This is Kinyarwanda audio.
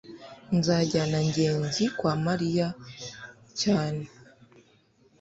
nzajyana ngenzi kwa mariya cyane